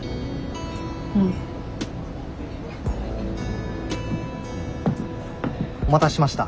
うん。お待たせしました。